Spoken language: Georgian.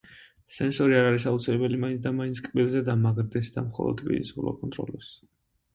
სენსორი არ არის აუცილებელი მაინც და მაინც კბილზე დამაგრდეს და მხოლოდ პირის ღრუ აკონტროლოს.